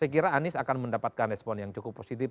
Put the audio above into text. saya kira anies akan mendapatkan respon yang cukup positif